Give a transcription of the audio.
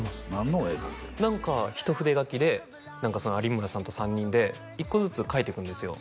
何か一筆書きで有村さんと３人で１個ずつ描いていくんですよ